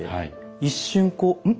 一瞬こう「ん？